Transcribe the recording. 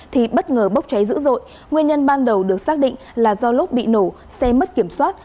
thì bất ngờ bốc cháy dữ dội nguyên nhân ban đầu được xác định là do lúc bị nổ xe mất kiểm soát